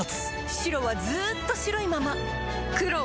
黒はずっと黒いまま